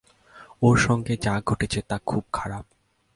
ওর সঙ্গে যা ঘটেছে তা খুব খারাপ।